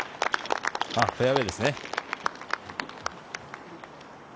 フェアウエーですね。